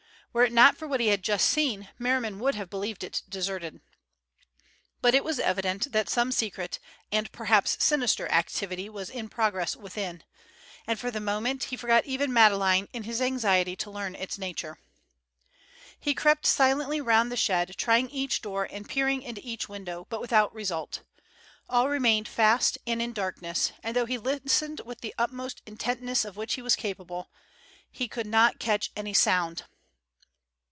Were it not for what he had just seen, Merriman would have believed it deserted. But it was evident that some secret and perhaps sinister activity was in progress within, and for the moment he forgot even Madeleine in his anxiety to learn its nature. He crept silently round the shed, trying each door and peering into each window, but without result. All remained fast and in darkness, and though he listened with the utmost intentness of which he was capable, he could not catch any sound.